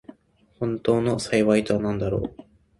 本当の幸いとはなんだろう。